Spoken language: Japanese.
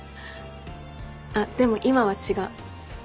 あっでも今は違う。